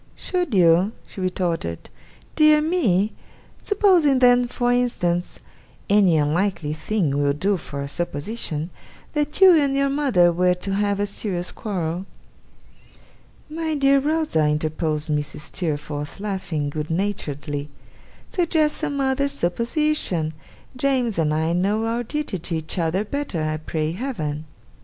'Should you?' she retorted. 'Dear me! Supposing then, for instance any unlikely thing will do for a supposition that you and your mother were to have a serious quarrel.' 'My dear Rosa,' interposed Mrs. Steerforth, laughing good naturedly, 'suggest some other supposition! James and I know our duty to each other better, I pray Heaven!